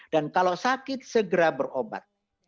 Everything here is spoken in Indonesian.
dan kalau sakit segera berobat